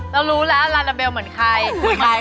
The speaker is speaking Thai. เรารู้แล้วลาลาเบลเหมือนใคร